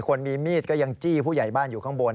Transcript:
คนมีมีดก็ยังจี้ผู้ใหญ่บ้านอยู่ข้างบน